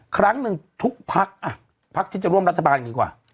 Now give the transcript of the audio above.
ครั้งหนึ่งทุกภักดิ์ภักดิ์ที่จะร่วมรัฐบาลอย่างนี้กว่า